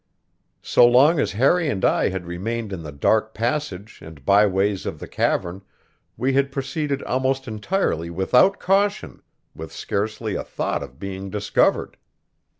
So long as Harry and I had remained in the dark passage and byways of the cavern we had proceeded almost entirely without caution, with scarcely a thought of being discovered.